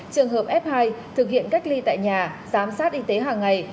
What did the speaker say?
trường hợp f hai thực hiện cách ly tại nhà giám sát y tế hàng ngày